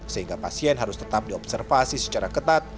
sehingga pasien harus tetap diobservasi secara ketat